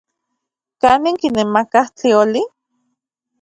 ¿Kanin kinemakaj tlioli?